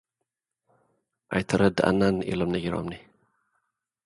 ኣይተረደኣናን ኢሎም ነጊሮምኒ።